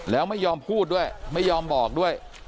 แล้วไม่ยอมพูดด้วยไม่ยอมบอกด้วย